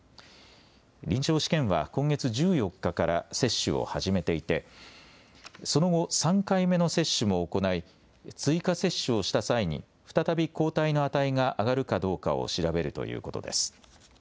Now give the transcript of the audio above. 臨床試験は今月１４日から接種を始めていてその後、３回目の接種も行い追加接種をした際に再び抗体の値が上がるかどうかを調べるということです。